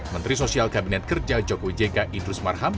menteri sosial kabinet kerja joko widodo idrus marham